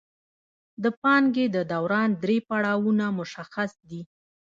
د پانګې د دوران درې پړاوونه مشخص دي